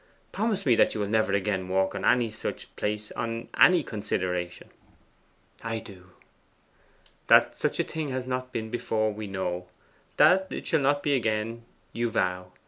'Promise me that you will never again walk on any such place on any consideration.' 'I do.' 'That such a thing has not been before, we know. That it shall not be again, you vow.